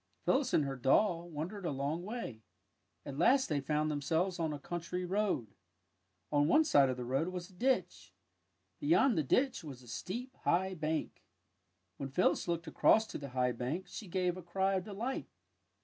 Phyllis and her doll wandered a long way. At last they found themselves on a country road. On one side of the road was a ditch. Beyond the ditch was a steep, high bank. When Phyllis looked across to the high bank she gave a cry of delight.